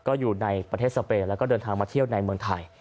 ก็อยู่ในประเทศสเปนแล้วก็เดินทางมาเที่ยวในเมืองไทย